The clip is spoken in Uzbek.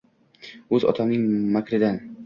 O’z otamning makridan